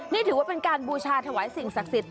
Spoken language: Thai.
นี่ถือว่าเป็นการบูชาถวายสิ่งศักดิ์สิทธิ